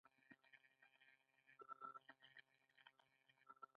چای د تفکر دروازه پرانیزي.